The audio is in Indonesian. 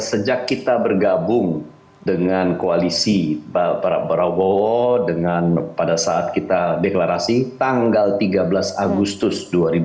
sejak kita bergabung dengan koalisi prabowo dengan pada saat kita deklarasi tanggal tiga belas agustus dua ribu dua puluh